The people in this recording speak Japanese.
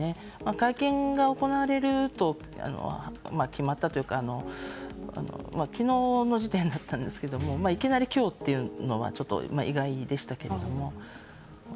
会見が行われると決まったというか昨日の時点だったんですけどいきなり今日というのはちょっと意外でしたけども。